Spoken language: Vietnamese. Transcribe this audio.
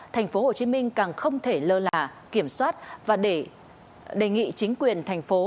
tp hcm càng không thể lơ lạ kiểm soát và đề nghị chính quyền thành phố